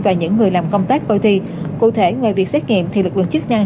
và những người làm công tác coi thi cụ thể ngay việc xét nghiệm thì lực lượng chức năng